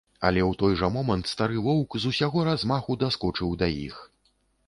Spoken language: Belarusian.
Але ў той жа момант стары воўк з усяго размаху даскочыў да іх.